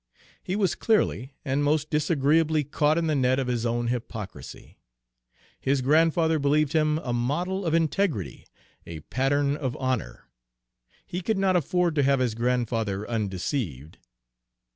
He was clearly and most disagreeably caught in the net of his own hypocrisy. His grandfather believed him a model of integrity, a pattern of honor; he could not afford to have his grandfather undeceived.